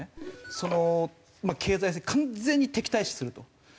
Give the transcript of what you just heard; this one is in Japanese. そのまあ経済完全に敵対視すると。